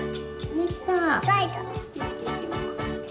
できた！